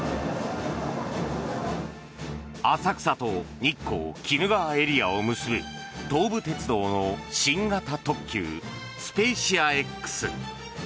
浅草と日光・鬼怒川エリアを結ぶ東武鉄道の新型特急スペーシアＸ。